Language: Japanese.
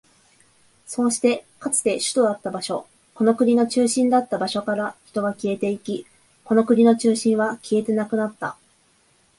そうして、かつて首都だった場所、この国の中心だった場所から人は消えていき、この国の中心は消えてなくなった。